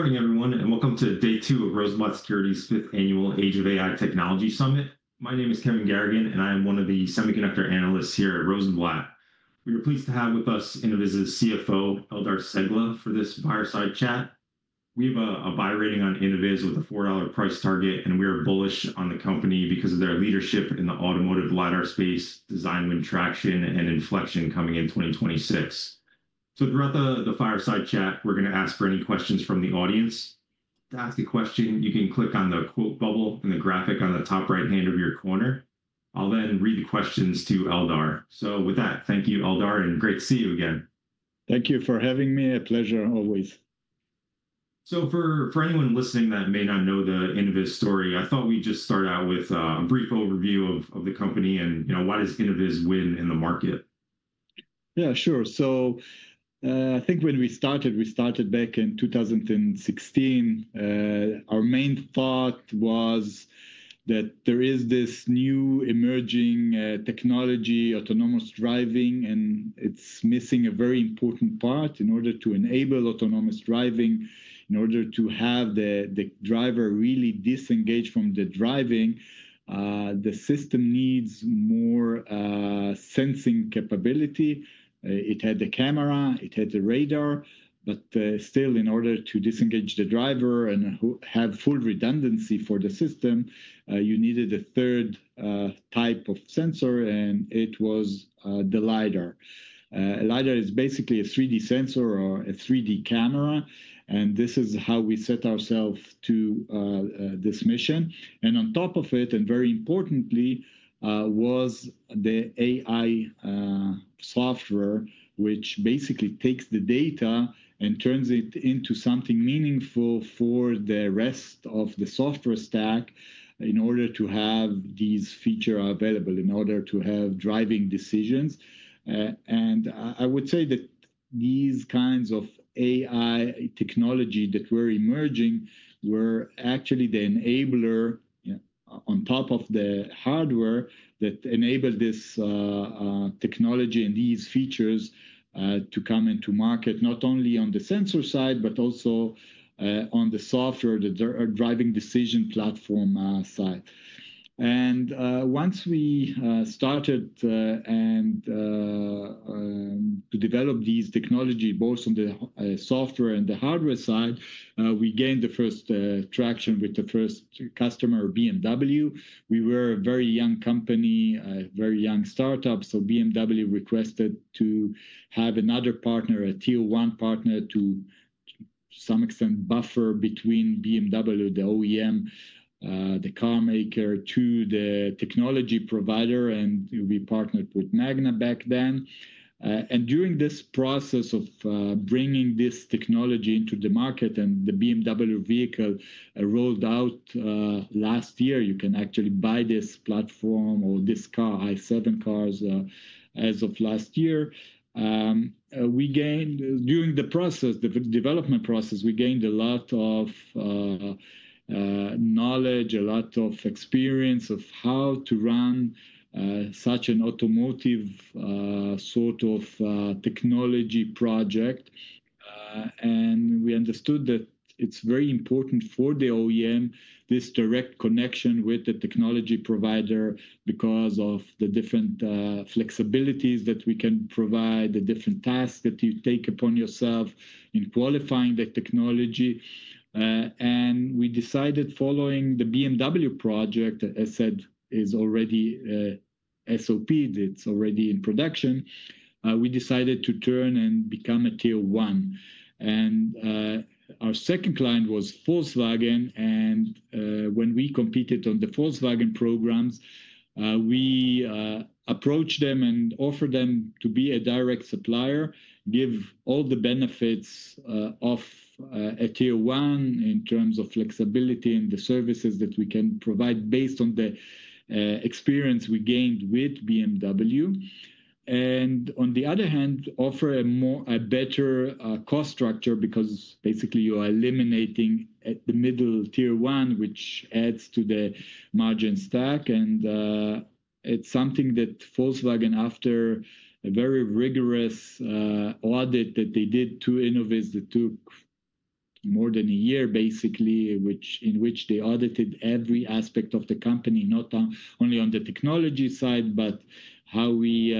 Good morning, everyone, and welcome to day two of Rosenblatt Securities' fifth annual Age of AI Technology Summit. My name is Kevin Garrigan, and I am one of the semiconductor analysts here at Rosenblatt. We are pleased to have with us Innoviz's CFO, Eldar Cegla, for this fireside chat. We have a buy rating on Innoviz with a $4 price target, and we are bullish on the company because of their leadership in the automotive LIDAR space, design, traction, and inflection coming in 2026. Throughout the fireside chat, we're going to ask for any questions from the audience. To ask a question, you can click on the quote bubble in the graphic on the top right-hand of your corner. I'll then read the questions to Eldar. With that, thank you, Eldar, and great to see you again. Thank you for having me. A pleasure always. For anyone listening that may not know the Innoviz story, I thought we'd just start out with a brief overview of the company and why does Innoviz win in the market. Yeah, sure. I think when we started, we started back in 2016. Our main thought was that there is this new emerging technology, autonomous driving, and it's missing a very important part. In order to enable autonomous driving, in order to have the driver really disengage from the driving, the system needs more sensing capability. It had the camera, it had the radar, but still, in order to disengage the driver and have full redundancy for the system, you needed a third type of sensor, and it was the LIDAR. LIDAR is basically a 3D sensor or a 3D camera, and this is how we set ourselves to this mission. On top of it, and very importantly, was the AI software, which basically takes the data and turns it into something meaningful for the rest of the software stack in order to have these features available, in order to have driving decisions. I would say that these kinds of AI technology that were emerging were actually the enabler on top of the hardware that enabled this technology and these features to come into market, not only on the sensor side, but also on the software, the driving decision platform side. Once we started to develop these technology, both on the software and the hardware side, we gained the first traction with the first customer, BMW. We were a very young company, a very young startup, so BMW requested to have another partner, a Tier One partner, to some extent buffer between BMW, the OEM, the car maker, to the technology provider, and we partnered with Magna back then. During this process of bringing this technology into the market and the BMW vehicle rolled out last year, you can actually buy this platform or this car, i7 cars, as of last year. During the process, the development process, we gained a lot of knowledge, a lot of experience of how to run such an automotive sort of technology project. We understood that it is very important for the OEM, this direct connection with the technology provider because of the different flexibilities that we can provide, the different tasks that you take upon yourself in qualifying the technology. We decided following the BMW project, as I said, is already SOP, it's already in production, we decided to turn and become a Tier One. Our second client was Volkswagen, and when we competed on the Volkswagen programs, we approached them and offered them to be a direct supplier, give all the benefits of a Tier One in terms of flexibility and the services that we can provide based on the experience we gained with BMW. On the other hand, offer a better cost structure because basically you are eliminating the middle Tier One, which adds to the margin stack. It's something that Volkswagen, after a very rigorous audit that they did to Innoviz, that took more than a year, basically, in which they audited every aspect of the company, not only on the technology side, but how we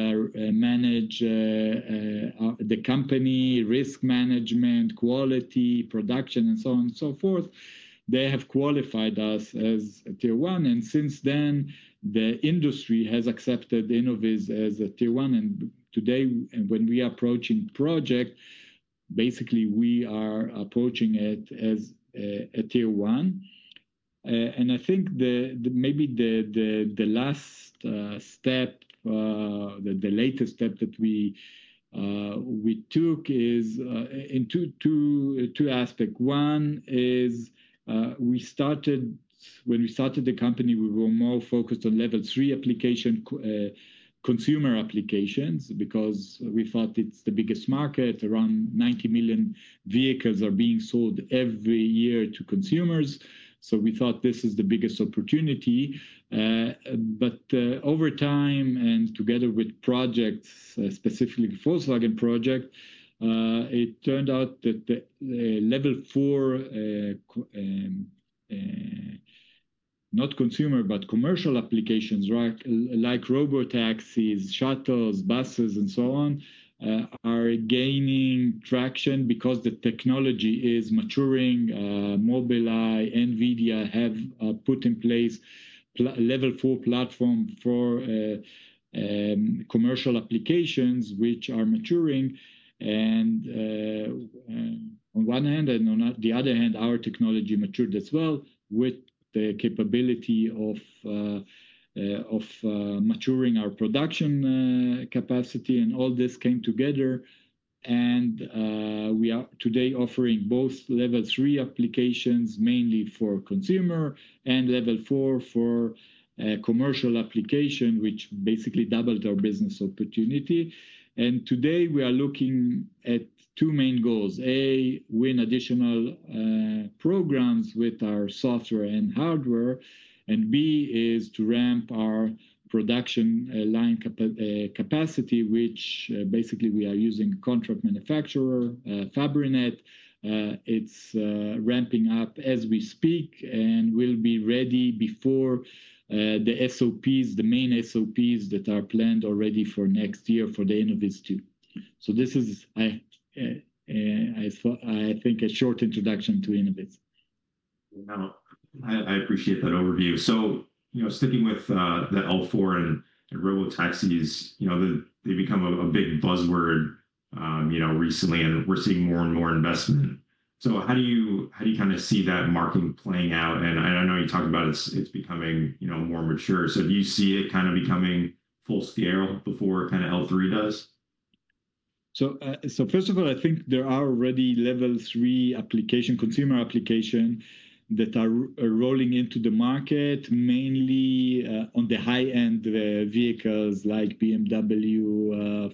manage the company, risk management, quality, production, and so on and so forth, they have qualified us as Tier One. Since then, the industry has accepted Innoviz as a Tier One. Today, when we are approaching project, basically we are approaching it as a Tier One. I think maybe the last step, the latest step that we took is in two aspects. One is we started, when we started the company, we were more focused on level 3 application, consumer applications, because we thought it's the biggest market. Around 90 million vehicles are being sold every year to consumers. We thought this is the biggest opportunity. Over time, and together with projects, specifically the Volkswagen project, it turned out that level four, not consumer, but commercial applications, like robotaxis, shuttles, buses, and so on, are gaining traction because the technology is maturing. Mobileye, NVIDIA have put in place a level four platform for commercial applications, which are maturing. On one hand, our technology matured as well with the capability of maturing our production capacity. All this came together. We are today offering both level three applications, mainly for consumer, and level four for commercial application, which basically doubled our business opportunity. Today we are looking at two main goals. A, win additional programs with our software and hardware. B is to ramp our production line capacity, which basically we are using contract manufacturer, Fabrinet. It's ramping up as we speak and will be ready before the SOPs, the main SOPs that are planned already for next year for the Innoviz team. This is, I think, a short introduction to Innoviz. Wow. I appreciate that overview. Sticking with the L4 and robotaxis, they've become a big buzzword recently, and we're seeing more and more investment. How do you kind of see that market playing out? I know you talked about it's becoming more mature. Do you see it kind of becoming full scale before kind of L3 does? First of all, I think there are already Level 3 consumer applications that are rolling into the market, mainly on the high-end vehicles like BMW,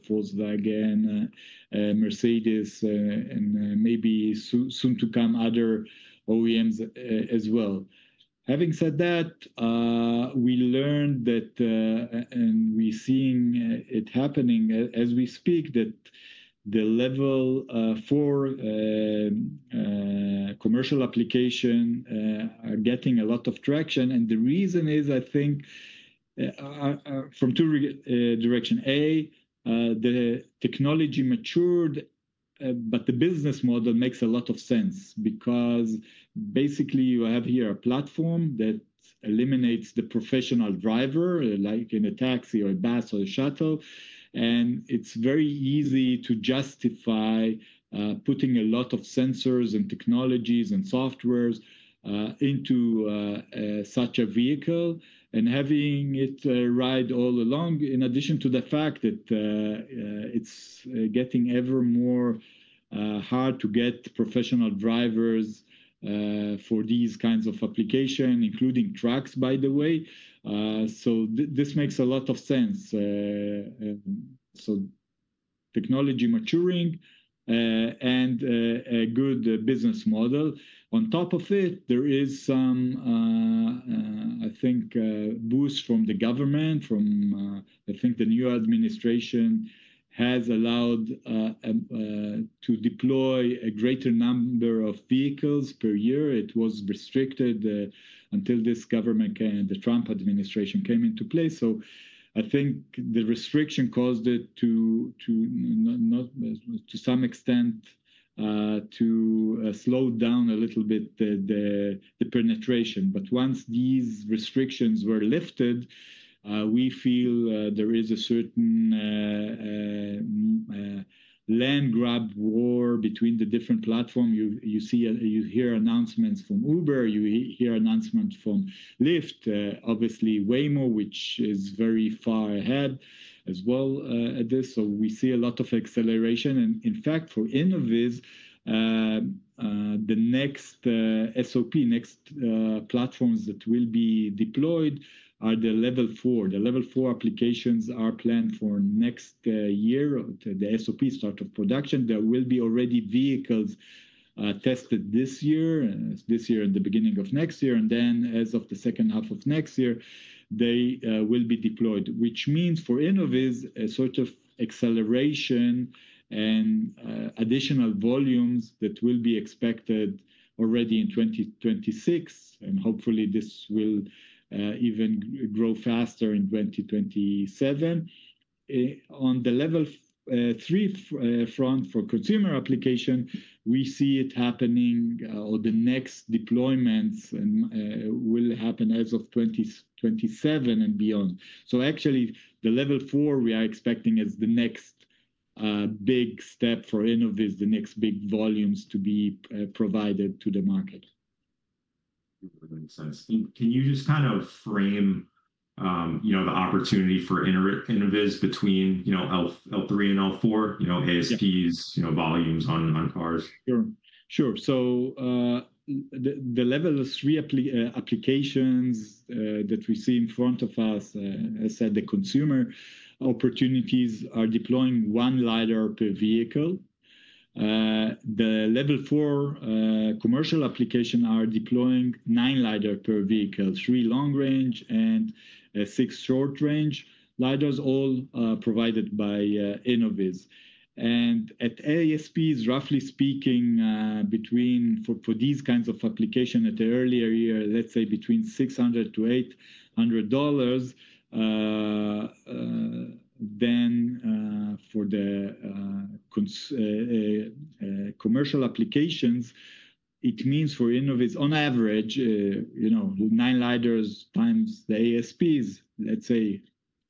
Volkswagen, Mercedes, and maybe soon to come other OEMs as well. Having said that, we learned that, and we're seeing it happening as we speak, that the Level 4 commercial applications are getting a lot of traction. The reason is, I think, from two directions. A, the technology matured, but the business model makes a lot of sense because basically you have here a platform that eliminates the professional driver, like in a taxi or a bus or a shuttle. It is very easy to justify putting a lot of sensors and technologies and softwares into such a vehicle and having it ride all along, in addition to the fact that it is getting ever more hard to get professional drivers for these kinds of applications, including trucks, by the way. This makes a lot of sense. Technology maturing and a good business model. On top of it, there is some, I think, boost from the government. I think the new administration has allowed to deploy a greater number of vehicles per year. It was restricted until this government, the Trump administration, came into place. I think the restriction caused it to, to some extent, slow down a little bit the penetration. Once these restrictions were lifted, we feel there is a certain land grab war between the different platforms. You hear announcements from Uber, you hear announcements from Lyft, obviously Waymo, which is very far ahead as well at this. We see a lot of acceleration. In fact, for Innoviz, the next SOP, next platforms that will be deployed are the Level 4. The Level 4 applications are planned for next year, the SOP start of production. There will be already vehicles tested this year, this year and the beginning of next year. As of the second half of next year, they will be deployed, which means for Innoviz, a sort of acceleration and additional volumes that will be expected already in 2026. Hopefully this will even grow faster in 2027. On the Level 3 front for consumer application, we see it happening or the next deployments will happen as of 2027 and beyond. Actually the Level 4 we are expecting as the next big step for Innoviz, the next big volumes to be provided to the market. That makes sense. Can you just kind of frame the opportunity for Innoviz between L3 and L4, ASPs, volumes on cars? Sure. Sure. The Level 3 applications that we see in front of us, as I said, the consumer opportunities are deploying one LIDAR per vehicle. The Level 4 commercial applications are deploying nine LIDAR per vehicle, three long range and six short range LIDARs, all provided by Innoviz. At ASPs, roughly speaking, for these kinds of applications at the earlier year, let's say between $600-$800, then for the commercial applications, it means for Innoviz, on average, nine LIDARs times the ASPs, let's say a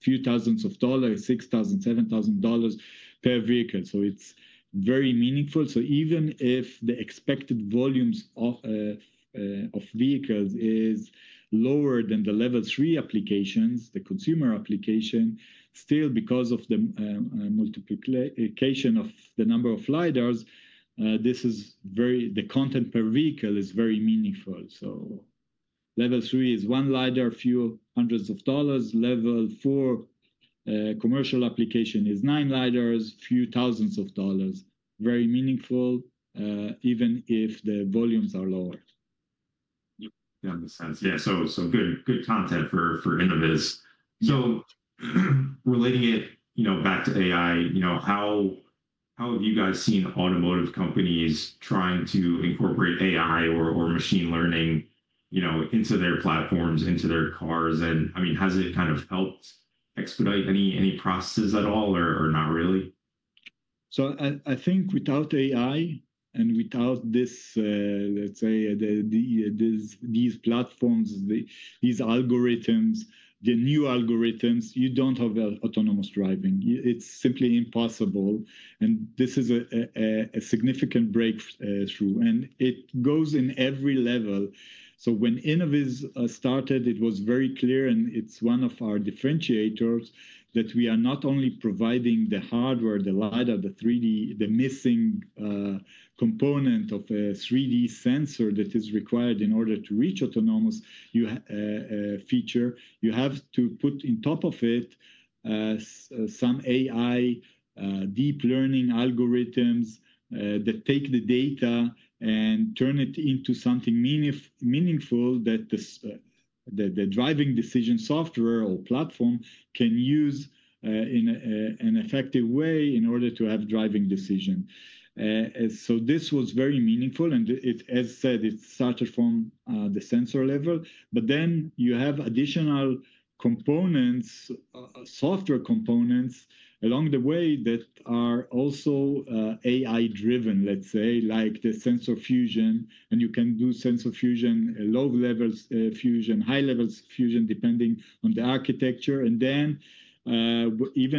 few thousands of dollars, $6,000, $7,000 per vehicle. It is very meaningful. Even if the expected volumes of vehicles is lower than the Level 3 applications, the consumer application, still because of the multiplication of the number of LIDARs, the content per vehicle is very meaningful. Level 3 is one LIDAR, a few hundreds of dollars. Level 4 commercial application is nine LIDARs, a few thousand dollars. Very meaningful, even if the volumes are lower. That makes sense. Yeah. Good content for Innoviz. Relating it back to AI, how have you guys seen automotive companies trying to incorporate AI or machine learning into their platforms, into their cars? I mean, has it kind of helped expedite any processes at all or not really? I think without AI and without this, let's say these platforms, these algorithms, the new algorithms, you don't have autonomous driving. It's simply impossible. This is a significant breakthrough. It goes in every level. When Innoviz started, it was very clear and it's one of our differentiators that we are not only providing the hardware, the LIDAR, the 3D, the missing component of a 3D sensor that is required in order to reach autonomous feature, you have to put on top of it some AI deep learning algorithms that take the data and turn it into something meaningful that the driving decision software or platform can use in an effective way in order to have driving decision. This was very meaningful. As I said, it started from the sensor level, but then you have additional components, software components along the way that are also AI driven, let's say, like the sensor fusion. You can do sensor fusion, low levels fusion, high levels fusion, depending on the architecture. Even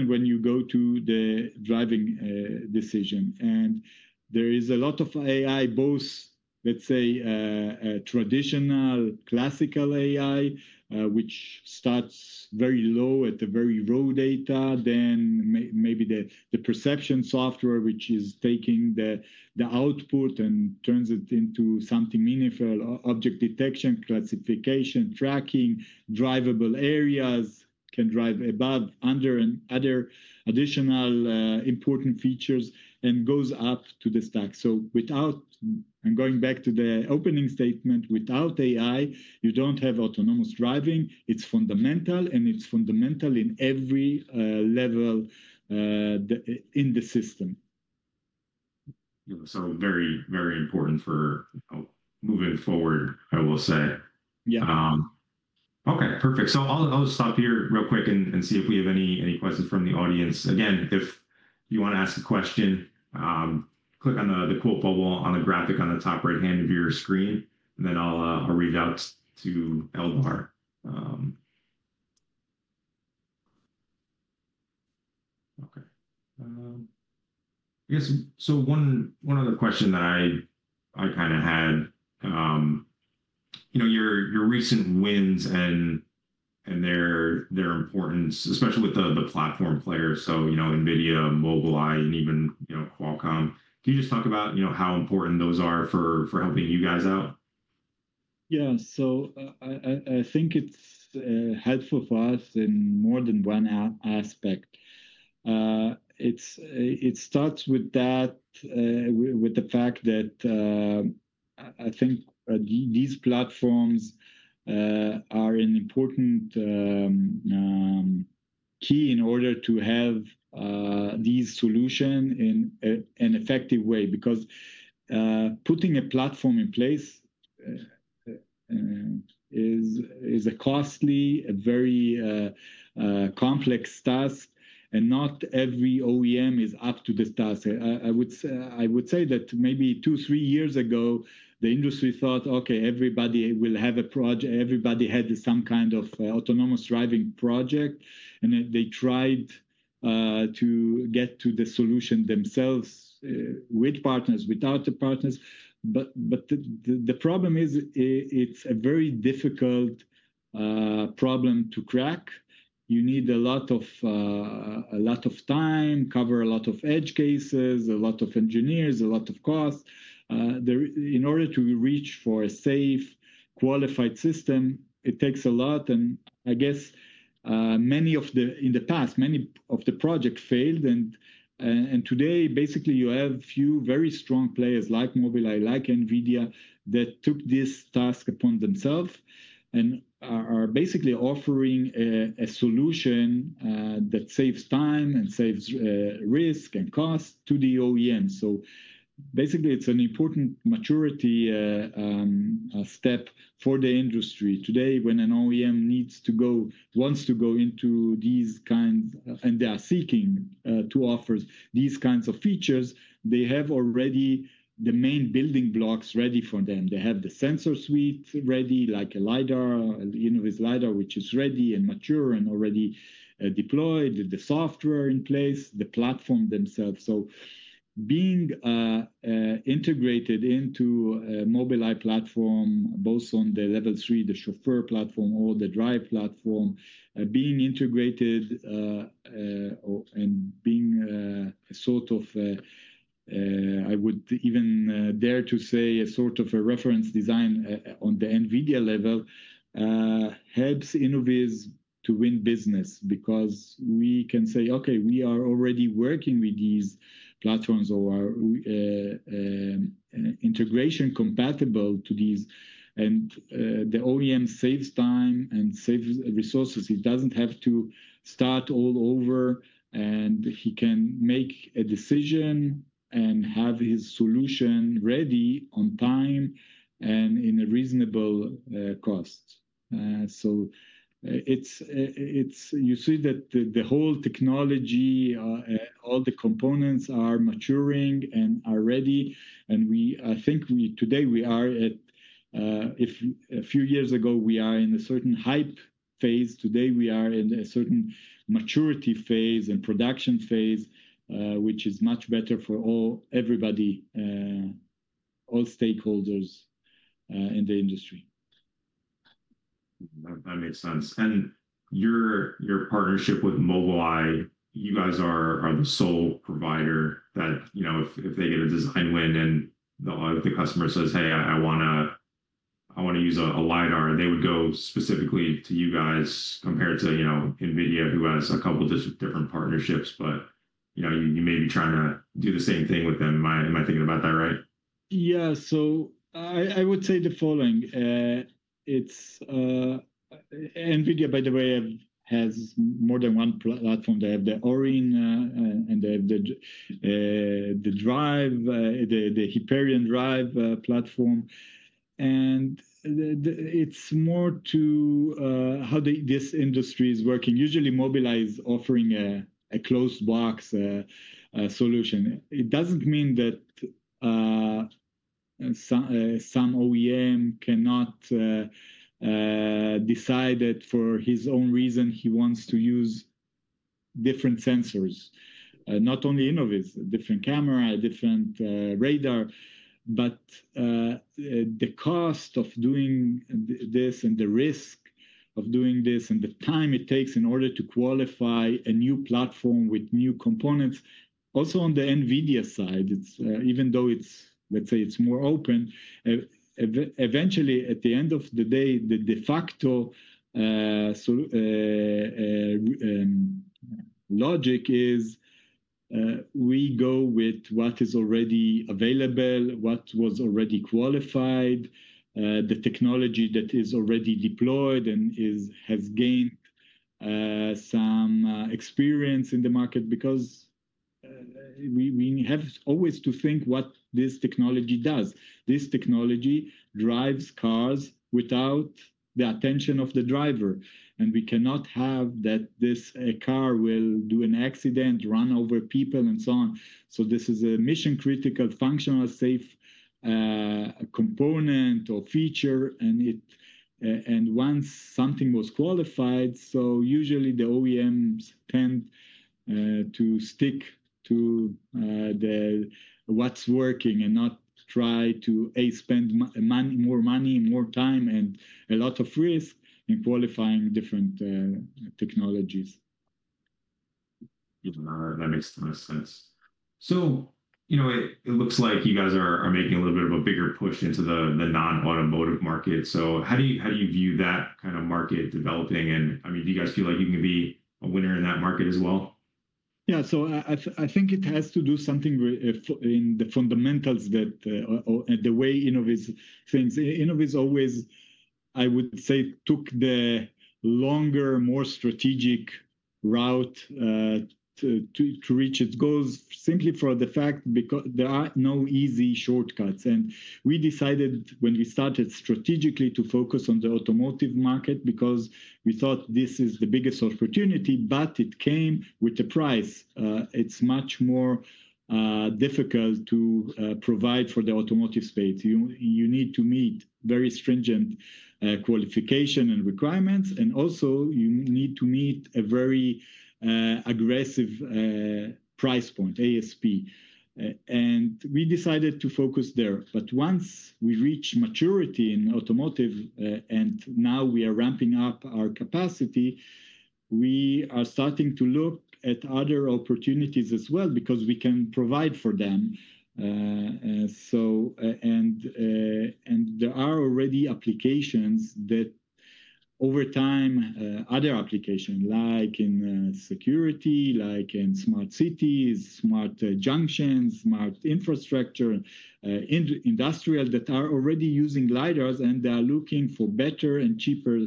when you go to the driving decision, there is a lot of AI, both, let's say, traditional, classical AI, which starts very low at the very raw data, then maybe the perception software, which is taking the output and turns it into something meaningful, object detection, classification, tracking, drivable areas, can drive above, under, and other additional important features, and goes up to the stack. Without, and going back to the opening statement, without AI, you don't have autonomous driving. It's fundamental, and it's fundamental in every level in the system. Very, very important for moving forward, I will say. Yeah. Okay. Perfect. I'll stop here real quick and see if we have any questions from the audience. Again, if you want to ask a question, click on the quote bubble on the graphic on the top right hand of your screen, and then I'll read out to Eldar. Okay. I guess one other question that I kind of had, your recent wins and their importance, especially with the platform players, so NVIDIA, Mobileye, and even Qualcomm, can you just talk about how important those are for helping you guys out? Yeah. I think it's helpful for us in more than one aspect. It starts with that, with the fact that I think these platforms are an important key in order to have these solutions in an effective way, because putting a platform in place is a costly, very complex task, and not every OEM is up to the task. I would say that maybe two, three years ago, the industry thought, okay, everybody will have a project, everybody had some kind of autonomous driving project, and they tried to get to the solution themselves with partners, without the partners. The problem is it's a very difficult problem to crack. You need a lot of time, cover a lot of edge cases, a lot of engineers, a lot of costs. In order to reach for a safe, qualified system, it takes a lot. I guess in the past, many of the projects failed. Today, basically, you have a few very strong players like Mobileye, like NVIDIA, that took this task upon themselves and are basically offering a solution that saves time and saves risk and cost to the OEM. Basically, it is an important maturity step for the industry today when an OEM needs to go, wants to go into these kinds, and they are seeking to offer these kinds of features. They have already the main building blocks ready for them. They have the sensor suite ready, like a LIDAR, Innoviz LIDAR, which is ready and mature and already deployed, the software in place, the platform themselves. Being integrated into the Mobileye platform, both on the Level 3, the Chauffeur platform, or the Drive platform, being integrated and being a sort of, I would even dare to say, a sort of a reference design on the NVIDIA level helps Innoviz to win business because we can say, okay, we are already working with these platforms or integration compatible to these. The OEM saves time and saves resources. He does not have to start all over, and he can make a decision and have his solution ready on time and at a reasonable cost. You see that the whole technology, all the components are maturing and are ready. I think today we are at, if a few years ago, we were in a certain hype phase. Today we are in a certain maturity phase and production phase, which is much better for everybody, all stakeholders in the industry. That makes sense. Your partnership with Mobileye, you guys are the sole provider that if they get a design win and the customer says, hey, I want to use a LIDAR, they would go specifically to you guys compared to NVIDIA, who has a couple of different partnerships, but you may be trying to do the same thing with them. Am I thinking about that right? Yeah. So I would say the following. NVIDIA, by the way, has more than one platform. They have the Orin and they have the drive, the Hyperion drive platform. And it's more to how this industry is working. Usually, Mobileye is offering a closed box solution. It doesn't mean that some OEM cannot decide that for his own reason, he wants to use different sensors, not only Innoviz, different camera, different radar, but the cost of doing this and the risk of doing this and the time it takes in order to qualify a new platform with new components. Also on the NVIDIA side, even though it's, let's say it's more open, eventually at the end of the day, the de facto logic is we go with what is already available, what was already qualified, the technology that is already deployed and has gained some experience in the market because we have always to think what this technology does. This technology drives cars without the attention of the driver. We cannot have that this car will do an accident, run over people, and so on. This is a mission critical, functional, safe component or feature. Once something was qualified, usually the OEMs tend to stick to what's working and not try to spend more money, more time, and a lot of risk in qualifying different technologies. That makes sense. It looks like you guys are making a little bit of a bigger push into the non-automotive market. How do you view that kind of market developing? I mean, do you guys feel like you can be a winner in that market as well? Yeah. So I think it has to do something in the fundamentals that the way Innoviz thinks. Innoviz always, I would say, took the longer, more strategic route to reach its goals simply for the fact because there are no easy shortcuts. We decided when we started strategically to focus on the automotive market because we thought this is the biggest opportunity, but it came with the price. It's much more difficult to provide for the automotive space. You need to meet very stringent qualification and requirements. You also need to meet a very aggressive price point, ASP. We decided to focus there. Once we reach maturity in automotive and now we are ramping up our capacity, we are starting to look at other opportunities as well because we can provide for them. There are already applications that over time, other applications like in security, like in smart cities, smart junctions, smart infrastructure, industrial that are already using LIDARs and they are looking for better and cheaper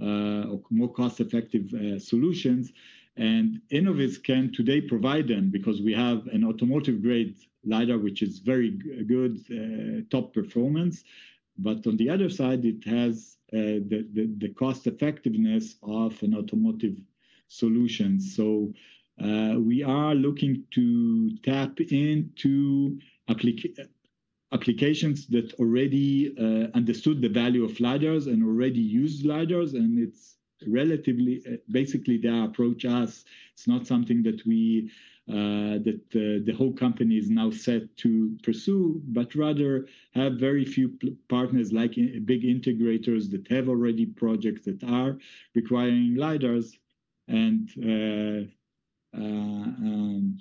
or more cost-effective solutions. Innoviz can today provide them because we have an automotive-grade LIDAR, which is very good, top performance. On the other side, it has the cost-effectiveness of an automotive solution. We are looking to tap into applications that already understood the value of LIDARs and already use LIDARs. It's relatively, basically they approach us. It's not something that the whole company is now set to pursue, but rather have very few partners like big integrators that have already projects that are requiring LIDARs and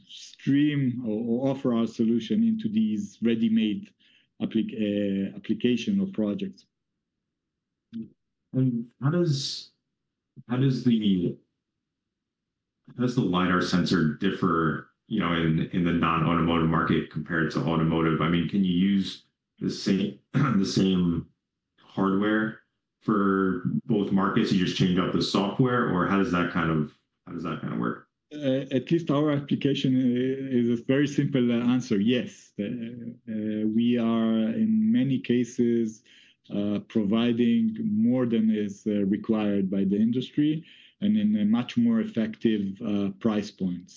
stream or offer our solution into these ready-made applications or projects. How does the LIDAR sensor differ in the non-automotive market compared to automotive? I mean, can you use the same hardware for both markets? You just change up the software? Or how does that kind of work? At least our application is a very simple answer. Yes. We are in many cases providing more than is required by the industry and in a much more effective price point.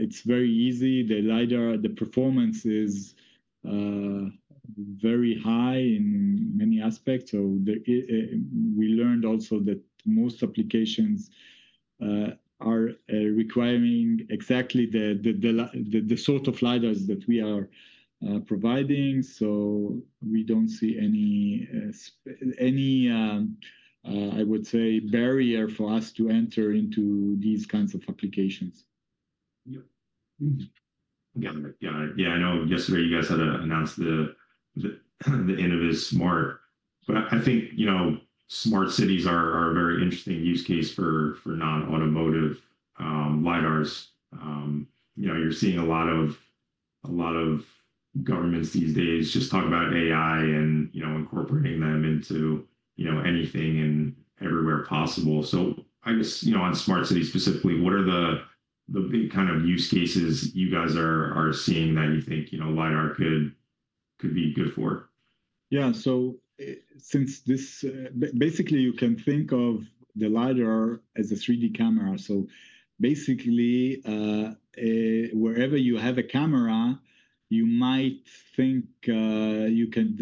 It is very easy. The LIDAR, the performance is very high in many aspects. We learned also that most applications are requiring exactly the sort of LIDARs that we are providing. We do not see any, I would say, barrier for us to enter into these kinds of applications. Yeah. Yeah. I know yesterday you guys had announced the Innoviz Smart. I think smart cities are a very interesting use case for non-automotive LIDARs. You're seeing a lot of governments these days just talk about AI and incorporating them into anything and everywhere possible. I guess on smart cities specifically, what are the big kind of use cases you guys are seeing that you think LIDAR could be good for? Yeah. Since this, basically you can think of the LIDAR as a 3D camera. Basically, wherever you have a camera, you might think you could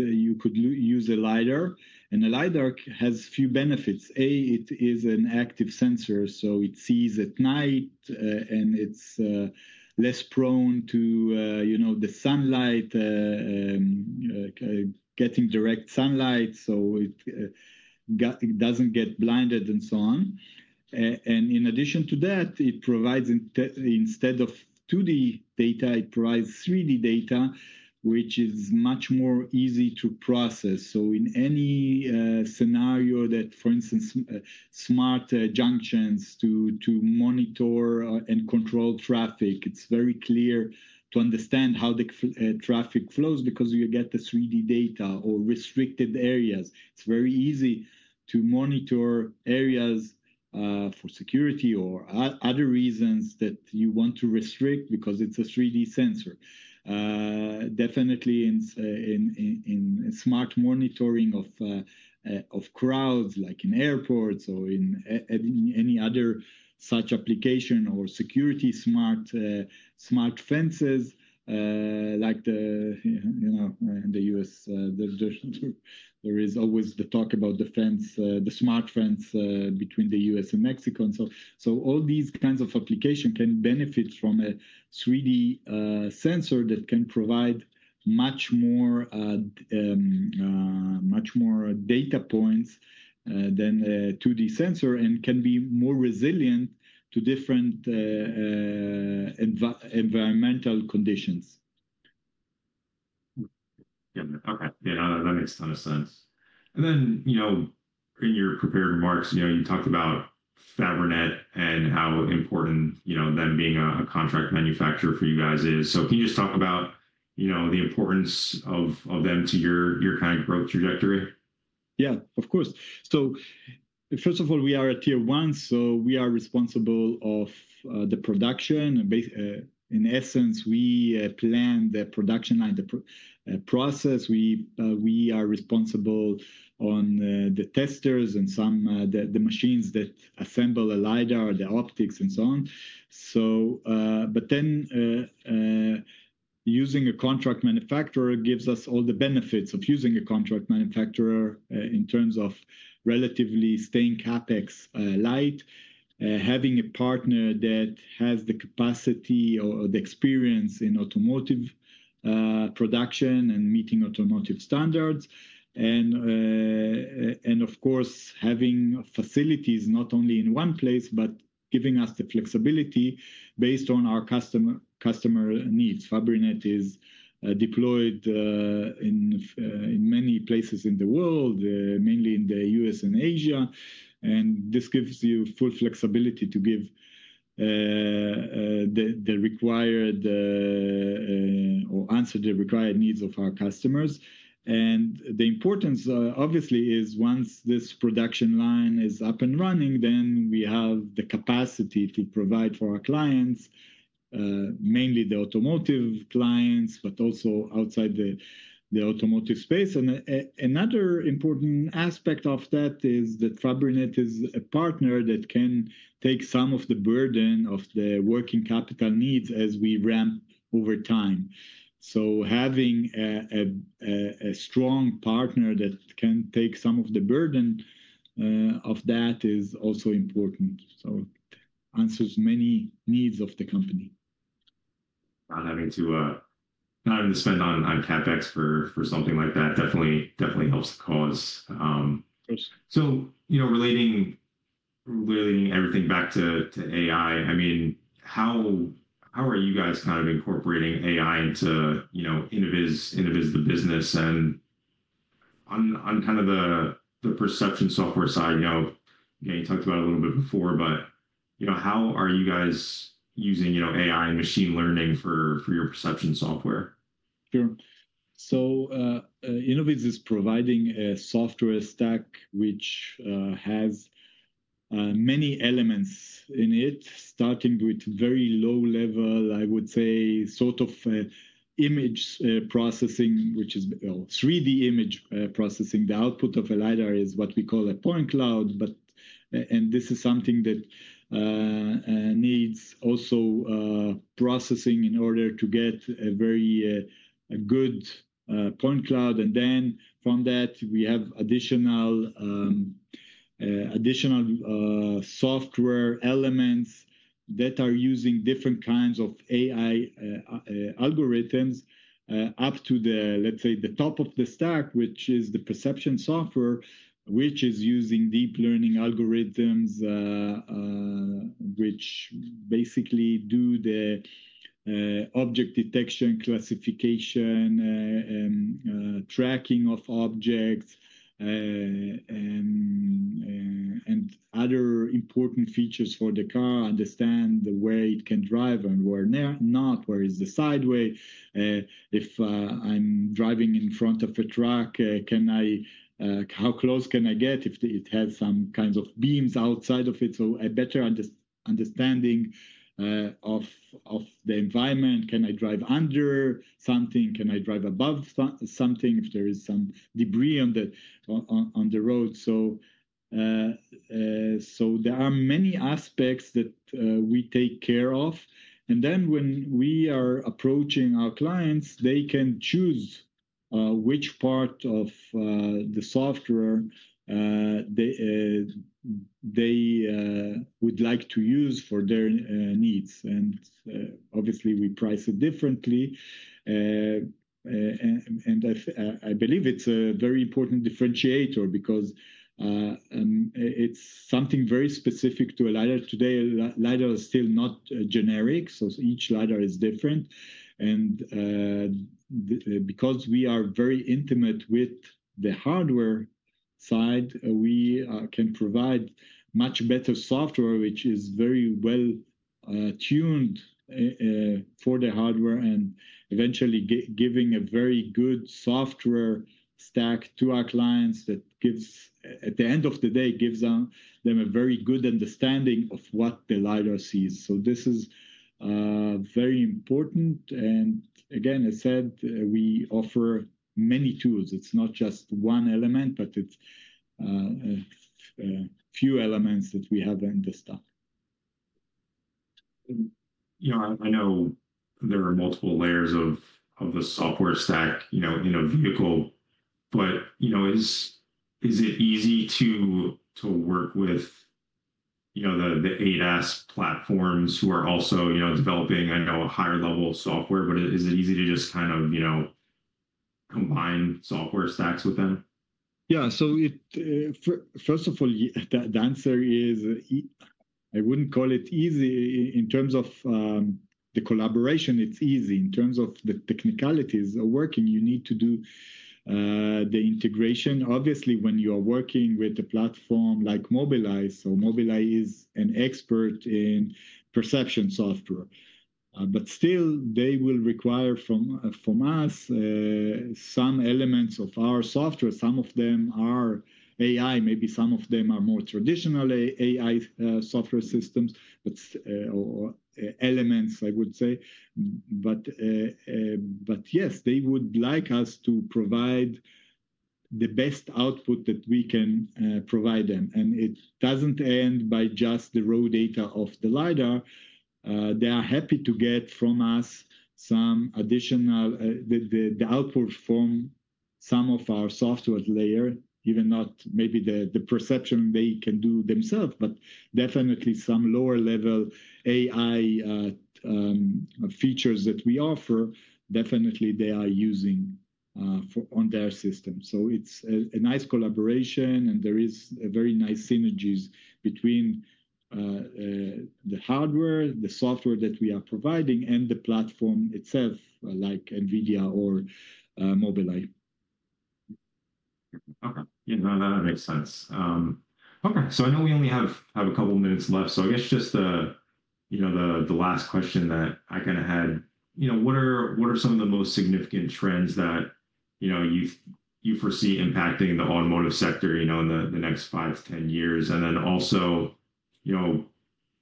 use a LIDAR. A LIDAR has a few benefits. A, it is an active sensor, so it sees at night and it's less prone to the sunlight, getting direct sunlight, so it doesn't get blinded and so on. In addition to that, it provides instead of 2D data, it provides 3D data, which is much more easy to process. In any scenario that, for instance, smart junctions to monitor and control traffic, it's very clear to understand how the traffic flows because you get the 3D data or restricted areas. It's very easy to monitor areas for security or other reasons that you want to restrict because it's a 3D sensor. Definitely in smart monitoring of crowds like in airports or in any other such application or security smart fences like the U.S., there is always the talk about the fence, the smart fence between the U.S. and Mexico. All these kinds of applications can benefit from a 3D sensor that can provide much more data points than a 2D sensor and can be more resilient to different environmental conditions. Okay. Yeah. That makes a ton of sense. In your prepared remarks, you talked about Fabrinet and how important them being a contract manufacturer for you guys is. Can you just talk about the importance of them to your kind of growth trajectory? Yeah, of course. First of all, we are a Tier One, so we are responsible for the production. In essence, we plan the production line, the process. We are responsible for the testers and some of the machines that assemble a LIDAR, the optics, and so on. Using a contract manufacturer gives us all the benefits of using a contract manufacturer in terms of relatively staying CapEx light, having a partner that has the capacity or the experience in automotive production and meeting automotive standards. Of course, having facilities not only in one place gives us the flexibility based on our customer needs. Fabrinet is deployed in many places in the world, mainly in the U.S. and Asia. This gives you full flexibility to give the required or answer the required needs of our customers. The importance, obviously, is once this production line is up and running, we have the capacity to provide for our clients, mainly the automotive clients, but also outside the automotive space. Another important aspect of that is that Fabrinet is a partner that can take some of the burden of the working capital needs as we ramp over time. Having a strong partner that can take some of the burden of that is also important. It answers many needs of the company. Not having to spend on CapEx for something like that definitely helps the cause. Relating everything back to AI, I mean, how are you guys kind of incorporating AI into Innoviz, Innoviz the business? On kind of the perception software side, again, you talked about it a little bit before, but how are you guys using AI and machine learning for your perception software? Sure. Innoviz is providing a software stack which has many elements in it, starting with very low-level, I would say, sort of image processing, which is 3D image processing. The output of a LIDAR is what we call a point cloud. This is something that needs also processing in order to get a very good point cloud. From that, we have additional software elements that are using different kinds of AI algorithms up to the, let's say, the top of the stack, which is the perception software, which is using deep learning algorithms, which basically do the object detection, classification, tracking of objects, and other important features for the car, understand the way it can drive and where not, where is the sideway, if I'm driving in front of a truck, how close can I get if it has some kinds of beams outside of it, so a better understanding of the environment. Can I drive under something? Can I drive above something if there is some debris on the road? There are many aspects that we take care of. When we are approaching our clients, they can choose which part of the software they would like to use for their needs. Obviously, we price it differently. I believe it's a very important differentiator because it's something very specific to a LIDAR. Today, LIDAR is still not generic. Each LIDAR is different. Because we are very intimate with the hardware side, we can provide much better software, which is very well tuned for the hardware and eventually giving a very good software stack to our clients that at the end of the day gives them a very good understanding of what the LIDAR sees. This is very important. Again, as I said, we offer many tools. It's not just one element, but it's a few elements that we have in the stack. I know there are multiple layers of the software stack in a vehicle, but is it easy to work with the ADAS platforms who are also developing, I know, a higher level of software, but is it easy to just kind of combine software stacks with them? Yeah. First of all, the answer is I wouldn't call it easy. In terms of the collaboration, it's easy. In terms of the technicalities of working, you need to do the integration. Obviously, when you are working with a platform like Mobileye, Mobileye is an expert in perception software. Still, they will require from us some elements of our software. Some of them are AI. Maybe some of them are more traditional AI software systems or elements, I would say. Yes, they would like us to provide the best output that we can provide them. It doesn't end by just the raw data of the LIDAR. They are happy to get from us some additional output from some of our software layer, even not maybe the perception they can do themselves, but definitely some lower-level AI features that we offer, definitely they are using on their system. It is a nice collaboration, and there is a very nice synergies between the hardware, the software that we are providing, and the platform itself, like NVIDIA or Mobileye. Okay. Yeah. No, that makes sense. Okay. I know we only have a couple of minutes left. I guess just the last question that I kind of had, what are some of the most significant trends that you foresee impacting the automotive sector in the next five to 10 years? Also,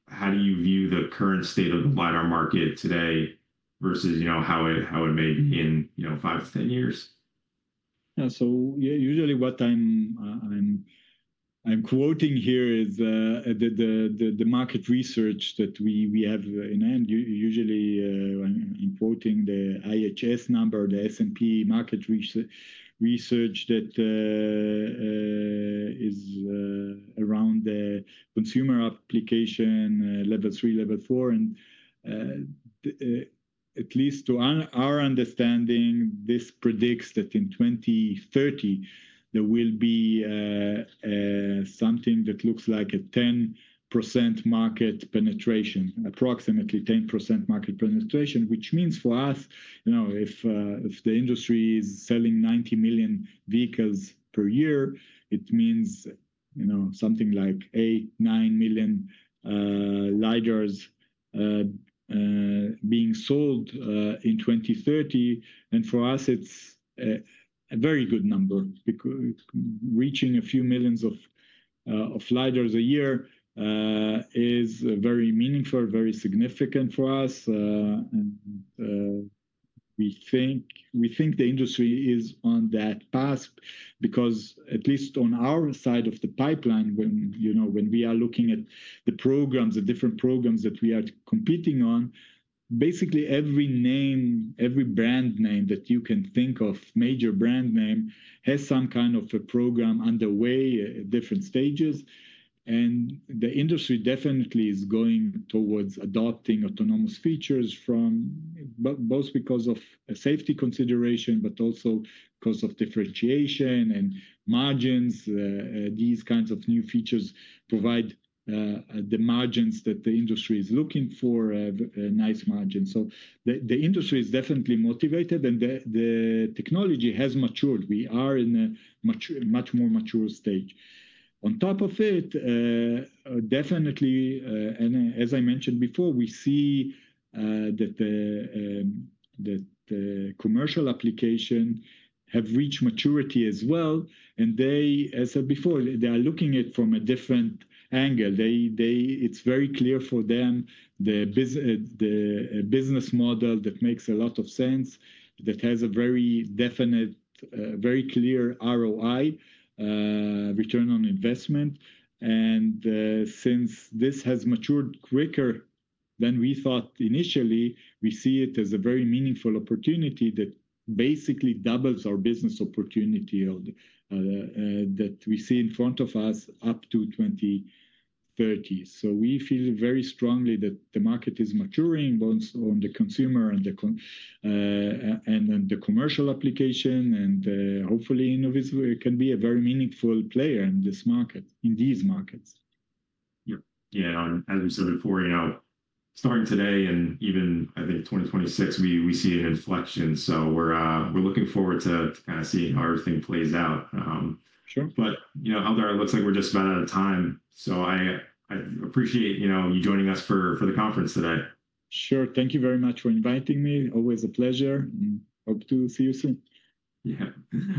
how do you view the current state of the LIDAR market today versus how it may be in five to 10 years? Yeah. Usually what I'm quoting here is the market research that we have in hand. Usually, I'm quoting the IHS number, the S&P market research that is around the consumer application level three, level four. At least to our understanding, this predicts that in 2030, there will be something that looks like a 10% market penetration, approximately 10% market penetration, which means for us, if the industry is selling 90 million vehicles per year, it means something like 8-9 million LIDARs being sold in 2030. For us, it's a very good number. Reaching a few millions of LIDARs a year is very meaningful, very significant for us. We think the industry is on that path because at least on our side of the pipeline, when we are looking at the programs, the different programs that we are competing on, basically every name, every brand name that you can think of, major brand name has some kind of a program underway at different stages. The industry definitely is going towards adopting autonomous features both because of safety consideration, but also because of differentiation and margins. These kinds of new features provide the margins that the industry is looking for, nice margins. The industry is definitely motivated, and the technology has matured. We are in a much more mature stage. On top of it, definitely, and as I mentioned before, we see that commercial applications have reached maturity as well. As I said before, they are looking at it from a different angle. It's very clear for them the business model that makes a lot of sense, that has a very definite, very clear ROI, return on investment. Since this has matured quicker than we thought initially, we see it as a very meaningful opportunity that basically doubles our business opportunity that we see in front of us up to 2030. We feel very strongly that the market is maturing both on the consumer and the commercial application, and hopefully, Innoviz can be a very meaningful player in these markets. Yeah. Yeah. As we said before, starting today and even I think 2026, we see an inflection. We are looking forward to kind of seeing how everything plays out. But Eldar, it looks like we are just about out of time. I appreciate you joining us for the conference today. Sure. Thank you very much for inviting me. Always a pleasure. Hope to see you soon. Yeah.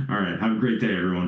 All right. Have a great day, everyone.